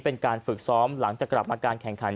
เป็นการฝึกซ้อมหลังจากกลับมาการแข่งขัน